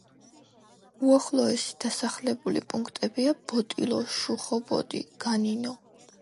უახლოესი დასახლებული პუნქტებია: ბოტილო, შუხობოდი, განინო.